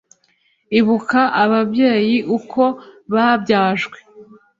Ibuka ababyeyi uko babyajwe !